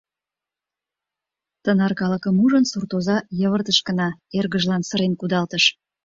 Тынар калыкым ужын, суртоза йывыртыш гына, эргыжлан сырен кудалтыш: